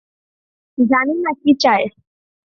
জানি না কি চায়।